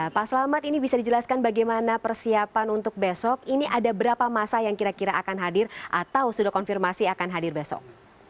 pak selamat ini bisa dijelaskan bagaimana persiapan untuk besok ini ada berapa masa yang kira kira akan hadir atau sudah konfirmasi akan hadir besok